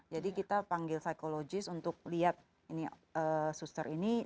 jadi kita panggil psikologis untuk lihat ini suster ini